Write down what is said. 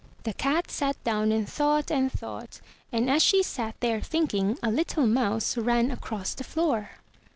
The cat sat down and thought •'^^ and thought; and as she sat there thinking, a Httle mouse ran across the floor.